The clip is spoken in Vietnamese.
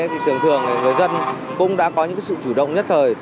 thì thường thường người dân cũng đã có những sự chủ động nhất thời